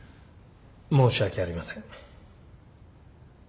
申し訳ありません。